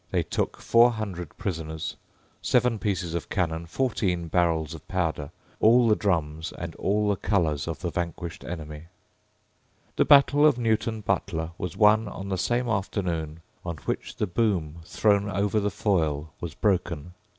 They took four hundred prisoners, seven pieces of cannon, fourteen barrels of powder, all the drums and all the colours of the vanquished enemy, The battle of Newton Butler was won on the same afternoon on which the boom thrown over the Foyle was broken.